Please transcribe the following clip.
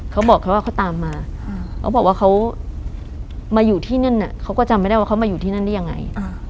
เขาบอกแค่ว่าเขาตามมาเขาบอกว่าเขามาอยู่ที่นั่นเขาก็จำไม่ได้ว่าเขามาอยู่ที่นั่นได้ยังไง